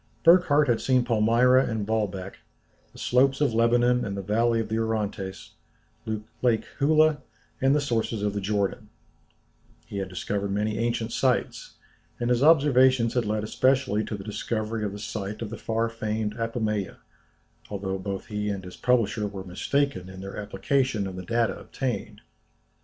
Burckhardt had seen Palmyra and Baalbek, the slopes of Lebanon and the valley of the Orontes, Lake Huleh, and the sources of the Jordan; he had discovered many ancient sites; and his observations had led especially to the discovery of the site of the far famed Apamoea, although both he and his publisher were mistaken in their application of the data obtained.